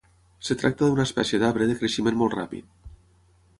Es tracta d'una espècie d'arbre de creixement molt ràpid.